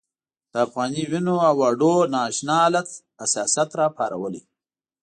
د افغاني وینو او هډونو نا اشنا حالت حساسیت راپارولی.